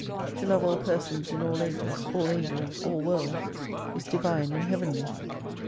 To love all persons in all ages, all angels, all worlds, is Divine and Heavenly.